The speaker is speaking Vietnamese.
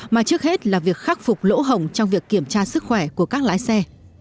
mà trước hết là việc khắc phục lỗ hồng trong việc kiểm tra sức khỏe của các lái xe